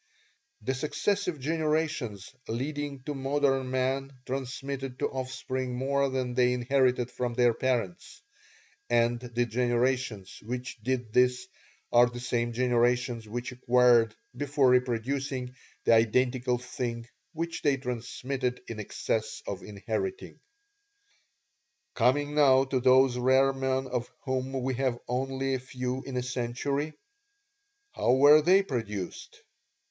The successive generations leading to modern man transmitted to offspring more than they inherited from their parents, and the generations which did this are the same generations which acquired, before reproducing, the identical thing which they transmitted in excess of inheriting. "Coming now to those rare men of whom we have only a few in a century, how were they produced?